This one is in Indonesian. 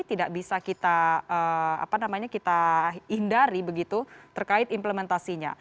tidak bisa kita apa namanya kita hindari begitu terkait implementasinya